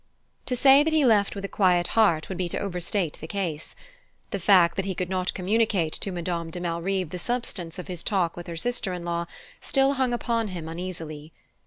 To say that he left with a quiet heart would be to overstate the case: the fact that he could not communicate to Madame de Malrive the substance of his talk with her sister in law still hung upon him uneasily.